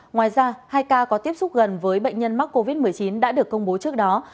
ngoài ra hai ca có tiếp xúc gần với bệnh nhân mắc covid một mươi chín đã được công bố trước đó